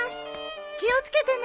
気を付けてね。